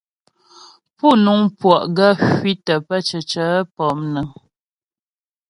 Pú nuŋ puɔ' gaə́ hwitə pə́ cǐcə monəŋ.